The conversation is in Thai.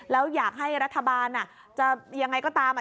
แล้วอยากให้รัฐบาลจะยังไงก็ตาม